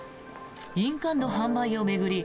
印鑑の販売を巡り